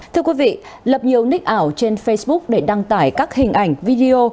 thưa quý vị lập nhiều nick ảo trên facebook để đăng tải các hình ảnh video